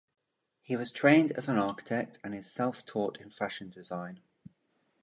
He was trained as an architect and is self-taught in fashion design.